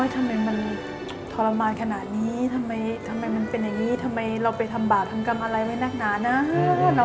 ทำไมมันทรมานขนาดนี้ทำไมมันเป็นอย่างนี้ทำไมเราไปทำบาปทำกรรมอะไรไว้นักหนานะ